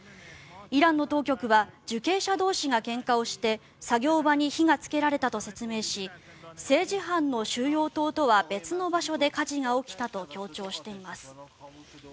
イランの当局は受刑者同士がけんかをして作業場に火がつけられたと説明し政治犯の収容棟とは別の場所で火事が起きたと強調しています。